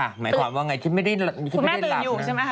หมายความว่าที่ไม่ได้หลับ